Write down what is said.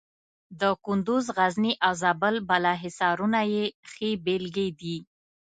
د کندز، غزني او زابل بالا حصارونه یې ښې بېلګې دي.